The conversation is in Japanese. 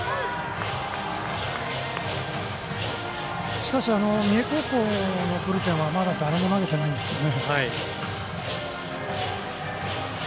しかし、三重高校のブルペンはまだ誰も投げていないんですね。